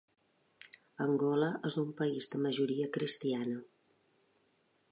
Angola és un país de majoria cristiana.